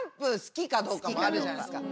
かどうかもあるじゃないですか。